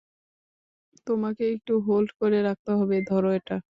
তোমাকে একটু হোল্ড করে রাখতে হবে, ধরো এটা।